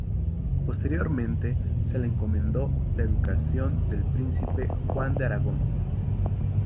Posteriormente se le encomendó la educación del príncipe Juan de Aragón.